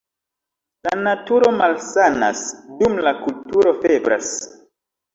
La naturo malsanas, dum la kulturo febras.